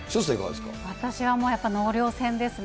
私はやっぱ納涼船ですね。